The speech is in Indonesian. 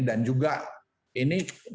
dan juga ini varian